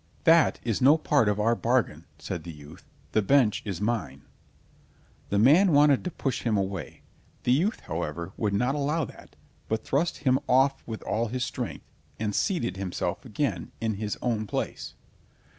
"That is no part of our bargain," said the youth, "the bench is mine." The man wanted to push him away; the youth, however, would not allow that, but thrust him off with all his strength, and seated himself again, in his own place.